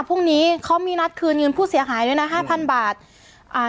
พรุ่งนี้เขามีนัดคืนเงินผู้เสียหายด้วยนะห้าพันบาทอ่า